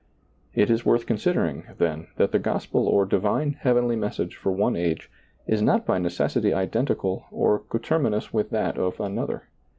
It is worth considering, then, that the gospel or divine heavenly message for one age is not by necessity identical or coterminous with that of another.